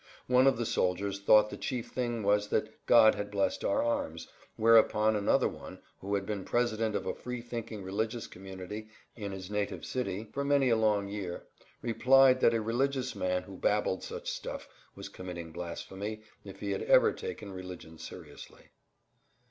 One of the soldiers thought the chief thing was that God had blessed our arms, whereupon another one, who had been president of a freethinking religious community in his native city for many a long year, replied that a religious man who babbled such stuff was committing blasphemy if he had ever taken religion seriously.